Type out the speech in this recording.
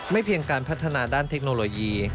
เพียงการพัฒนาด้านเทคโนโลยี